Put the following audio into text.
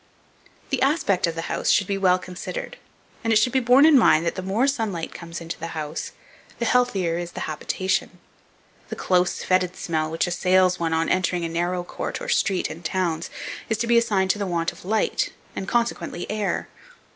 The aspect of the house should be well considered, and it should be borne in mind that the more sunlight that comes into the house, the healthier is the habitation. The close, fetid smell which assails one on entering a narrow court, or street, in towns, is to be assigned to the want of light, and, consequently, air.